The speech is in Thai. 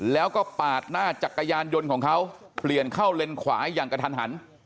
แล้วก็ปาดหน้าจักรยานยนต์ของเขาเปลี่ยนเข้าเลนขวาอย่างกระทันหัน